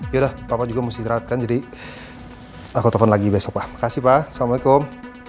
yaudah papa juga mesti dirawatkan jadi aku telfon lagi besok pak makasih pak assalamualaikum